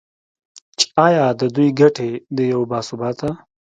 چې ایا د دوی ګټې د یو با ثباته